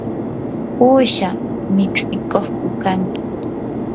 ¿uusha mitsikuqku kanki?